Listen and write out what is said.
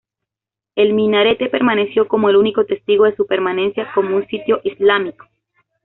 El minarete permaneció como el único testigo de su permanencia como un sitio islámico.